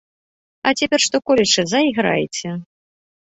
А цяпер што-колечы зайграйце.